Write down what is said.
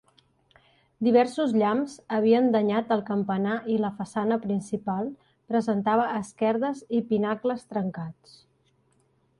Diversos llamps havien danyat el campanar i la façana principal presentava esquerdes i pinacles trencats.